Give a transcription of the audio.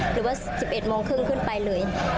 หรือว่า๑๑โมงครึ่งขึ้นไปเลย